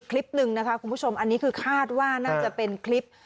คลิปหนึ่งนะคะคุณผู้ชมอันนี้คือคาดว่าน่าจะเป็นคลิป